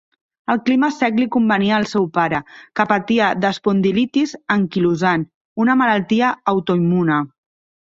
El clima sec li convenia al seu pare, que patia d'espondilitis anquilosant, una malaltia autoimmune.